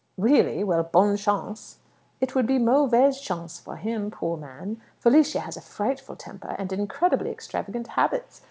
"Really? Well, bonne chance!" "It would be mauvaise chance for him, poor man! Felicia has a frightful temper, and incredibly extravagant habits.